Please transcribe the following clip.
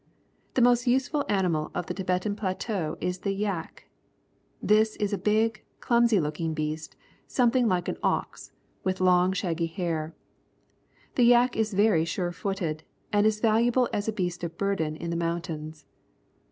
The most useful animal of the Tibetan Plateau is the yak. Tliis is a big, clumsy looking beast, something like an ox, with long, shagg}^ hair. The yak is very sure footed and is valuable as a beast of burden in the mountains.